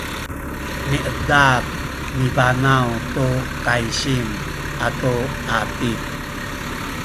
miedap mibanaw tu kaysing atu atip